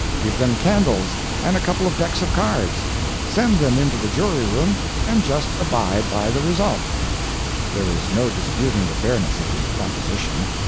Give them candles and a couple of decks of cards. Send them into the jury room, and just abide by the result!" There was no disputing the fairness of the proposition.